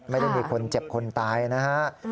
ไม่ได้มีคนเจ็บคนตายนะฮะ